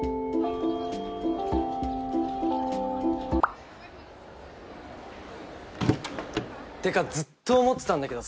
ってかずっと思ってたんだけどさ